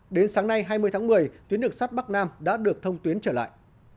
đến sáng nay hai mươi tháng một mươi tuyến đường sắt bắc nam đã được thông tuyến trở lại